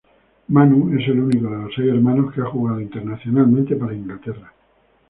Manu es el único de los seis hermanos que ha jugado internacionalmente para Inglaterra.